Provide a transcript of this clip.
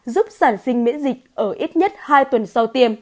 giúp sản sinh miễn dịch ở ít nhất hai tuần sau tiêm